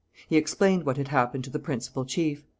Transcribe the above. He explained what had happened to the principal chief.